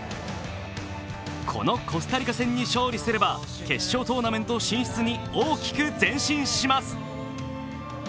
このコスタリカ戦に勝利すれば決勝トーナメント進出に大きく前進します。